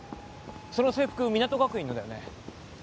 その制服港学院のだよね？